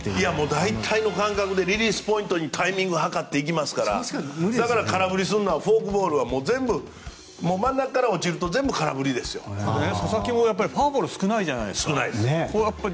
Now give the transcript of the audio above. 大体の感覚でリリースポイントに入っていきますからだから空振りするのはフォークボールは真ん中から落ちると佐々木もフォアボールが少ないじゃないですか。